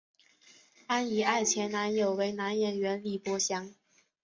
安苡爱前男友为男演员李博翔。